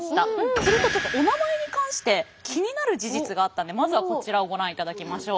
するとちょっとお名前に関して気になる事実があったのでまずはこちらをご覧いただきましょう！